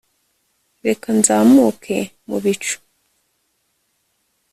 reka nzamuke mu bicu